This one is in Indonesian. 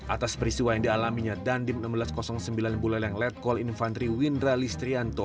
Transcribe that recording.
atas peristiwa yang dialaminya dandim seribu enam ratus sembilan buleleng letkol infantri windra listrianto